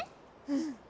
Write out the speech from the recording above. うん。